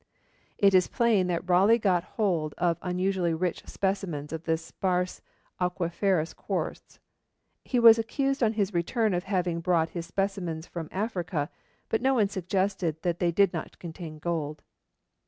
It is plain that Raleigh got hold of unusually rich specimens of the sparse auriferous quartz. He was accused on his return of having brought his specimens from Africa, but no one suggested that they did not contain gold.